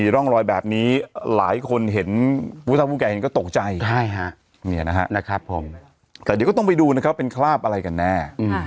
แต่เดี๋ยวก็ต้องไปดูนะครับเป็นคราบอะไรกันแน่